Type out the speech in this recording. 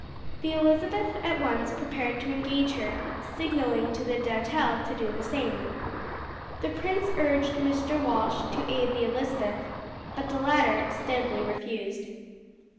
The Elizabeth at once prepared to engage her, signalling to the Doutelle to do the same. The prince urged Mr. Walsh to aid the Elizabeth, but the latter steadily refused.